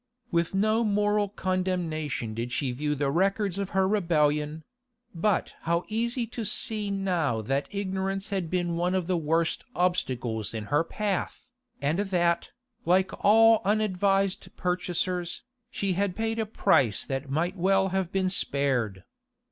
With no moral condemnation did she view the records of her rebellion; but how easy to see now that ignorance had been one of the worst obstacles in her path, and that, like all unadvised purchasers, she had paid a price that might well have been spared.